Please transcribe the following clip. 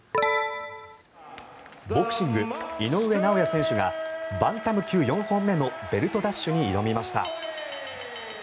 ボクシング井上尚弥選手がバンタム級４本目のベルト奪取に挑みました。